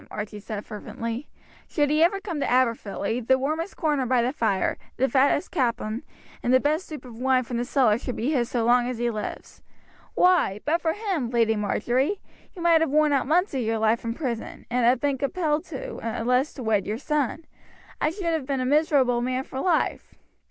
Archie said fervently. "Should he ever come to Aberfilly the warmest corner by the fire, the fattest capon, and the best stoop of wine from the cellar shall be his so long as he lives. Why, but for him, Lady Marjory, you might have worn out months of your life in prison, and have been compelled at last to wed your cousin. I should have been a miserable man for life."